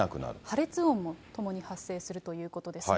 破裂音もともに発生するということですね。